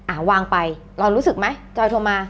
วางไปเรารู้สึกไหมจอยโทรมา